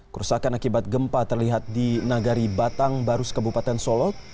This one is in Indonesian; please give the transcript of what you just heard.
kerusakan akibat gempa terlihat di nagari batang barus kebupaten solo